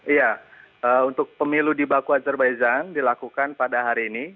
iya untuk pemilu di baku azerbaijang dilakukan pada hari ini